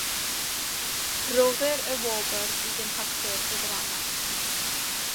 Rhoddir y wobr i gynhyrchwyr y ddrama.